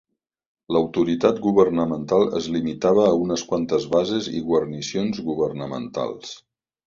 L'autoritat governamental es limitava a unes quantes bases i guarnicions governamentals.